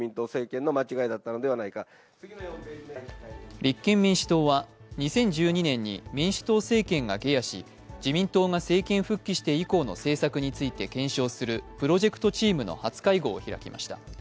立憲民主党は、２０１２年に民主党政権が下野し自民党が政権復帰して以降の政策について検証する検証するプロジェクトチームの初会合を開きました。